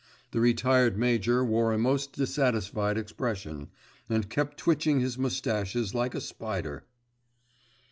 The retired major wore a most dissatisfied expression, and kept twitching his moustaches like a spider.